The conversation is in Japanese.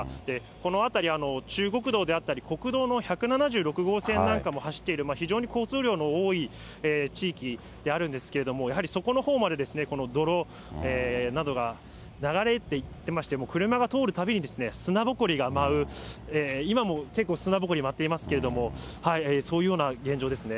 この辺り、中国道であったり国道の１７６号線なんかも走っている、非常に交通量の多い地域であるんですけれども、やはりそこのほうまで泥などが流れていっていまして、車が通るたびに砂ぼこりが舞う、今も結構砂ぼこりまってますけど、そういうような現状ですね。